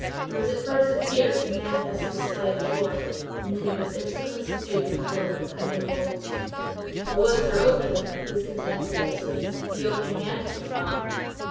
There was at first a fierce and manifest display of joy, and then it was instantly subdued in a look of cunning coldness. "The words are open," he was content with answering, "'The Open Hand' can come."